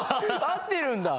「合ってるんだ」